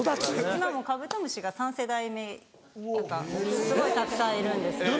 今もカブトムシが３世代目すごいたくさんいるんですけど。